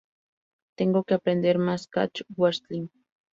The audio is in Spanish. Tengo que aprender más catch wrestling.